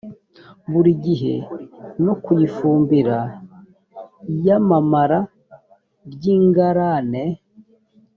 buri gihe no kuyifumbira iyamamara ry ingarane